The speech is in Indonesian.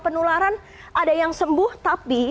penularan ada yang sembuh tapi